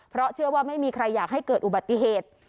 เพราะเชื่อว่าไม่มีใครอยากให้เกิดอุบัติเหตุ